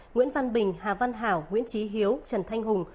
nguyễn văn bình hà văn hảo nguyễn trí hiếu trần thanh hùng